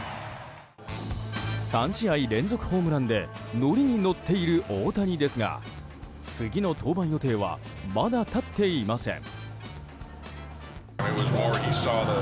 ３試合連続ホームランで乗りに乗っている大谷ですが次の登板予定はまだ立っていません。